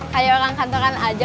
kayak orang kantoran aja